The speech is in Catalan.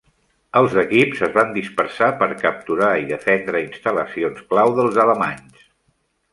Els equips es van dispersar per capturar i defendre instal·lacions clau dels alemanys.